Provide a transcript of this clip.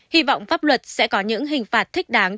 hy vọng pháp luật sẽ có những hình phạt thích đáng